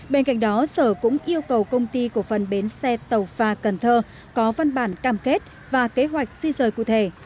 bên cạnh đó sở cũng yêu cầu công ty cổ phần bến xe tàu pha cần thơ có văn bản cam kết và kế hoạch di rời cụ thể